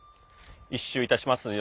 １周いたしますよ。